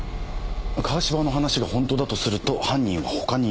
川芝の話が本当だとすると犯人は他にいる。